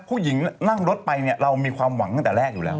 ผู้หญิงนั่งรถไปเนี่ยเรามีความหวังตั้งแต่แรกอยู่แล้ว